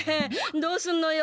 どうすんのよ。